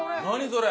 それ！